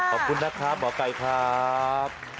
ขอบคุณนะครับหมอไก่ครับ